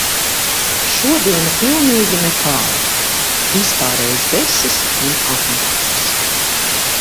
Šodiena pilnīgi nekāda, vispārējs besis un apnikums.